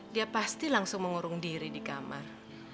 dia pasti langsung mengurung diri di kamar